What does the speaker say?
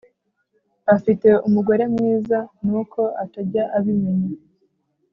Afite umugore mwiza nuko atajya abimenya